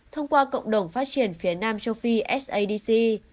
thông qua cộng đồng phát triển phía nam châu phi sadc